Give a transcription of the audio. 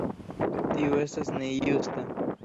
Tio estas nejusta.